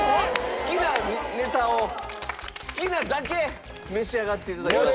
好きなネタを好きなだけ召し上がっていただきます。